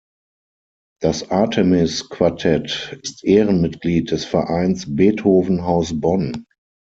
Das Artemis Quartett ist Ehrenmitglied des Vereins Beethoven-Haus Bonn.